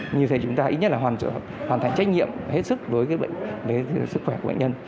như thế chúng ta ít nhất là hoàn thành trách nhiệm hết sức đối với sức khỏe của bệnh nhân